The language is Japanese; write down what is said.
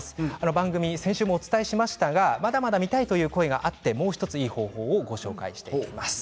番組、先週もお伝えしましたがまだまだ見たいという声があってもう１つ、いい方法をご紹介していきます。